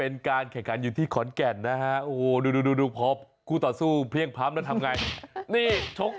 น้องไม่ได้จำกันดี